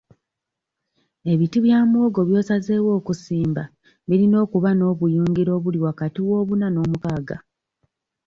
Ebiti bya muwogo by'osazeewo okusimba birina okuba n'obuyungiro obuli wakati w'obuna n'omukaaga.